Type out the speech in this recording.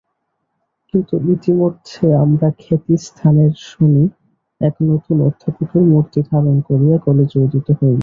কিন্তু ইতিমধ্যে আমার খ্যাতিস্থানের শনি এক নূতন অধ্যাপকের মূর্তি ধারণ করিয়া কলেজে উদিত হইল।